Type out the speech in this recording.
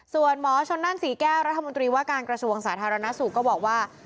ส่วนหมอชนนั่นศรีแก้วรัฐมนตรีว่าการกระทรวงสาธารณสุขก็บอกว่า